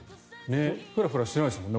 ふらふらしてないですもんね。